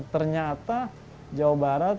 jadi ternyata jawa barat